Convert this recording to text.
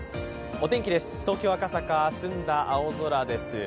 お天気です、東京・赤坂は澄んだ青空です。